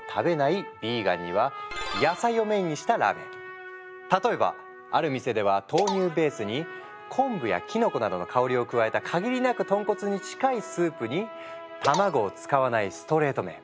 ヴィーガンには例えばある店では豆乳ベースに昆布やキノコなどの香りを加えた限りなく豚骨に近いスープに卵を使わないストレート麺。